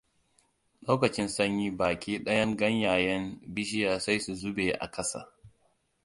Lokacin sanyi baki ɗayan ganyayen bishiya sai su zube a ƙasa.